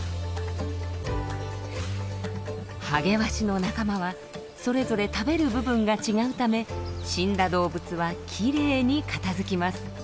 ハゲワシの仲間はそれぞれ食べる部分が違うため死んだ動物はきれいに片づきます。